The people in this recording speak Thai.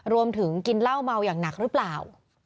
กินเหล้าเมาอย่างหนักหรือเปล่า